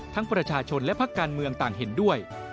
ประชาชนและภาคการเมืองต่างเห็นด้วย